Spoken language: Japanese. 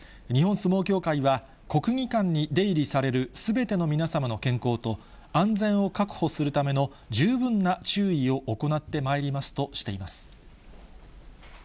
日本相撲協会は、国技館に出入りされるすべての皆様の健康と、安全を確保するための十分な注意を行ってまいりますとしています。